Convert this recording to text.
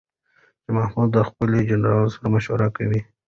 شاه محمود د خپلو جنرالانو سره مشوره وکړه.